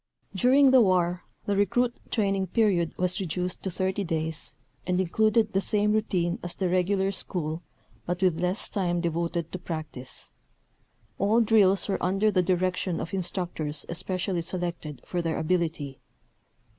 During the war the recruit training period was reduced to 30 days and included the same routine as the regular school but with less time devoted to practice. All drills were under the direction of instructors especially selected for their ability.